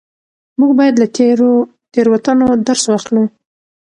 موږ بايد له تېرو تېروتنو درس واخلو.